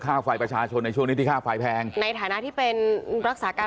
ในช่วงนี้ที่แพงในฐานะที่เป็นรักษาการ